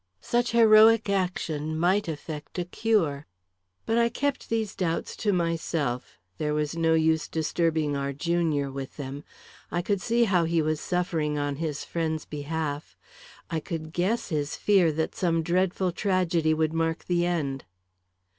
Such heroic action might effect a cure. But I kept these doubts to myself; there was no use disturbing our junior with them. I could see how he was suffering on his friend's behalf. I could guess his fear that some dreadful tragedy would mark the end.